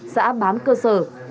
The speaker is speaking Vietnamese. xã bám cơ sở